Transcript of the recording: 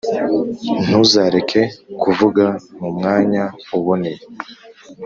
Ntuzareke kuvuga mu mwanya uboneye,